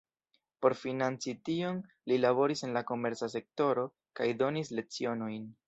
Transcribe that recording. Por financi tion, li laboris en la komerca sektoro, kaj donis lecionojn.